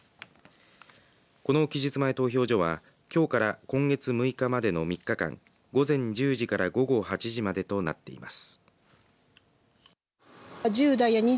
この期日前投票所はきょうから今月６日までの３日間午前１０時から午後８時までとなっています。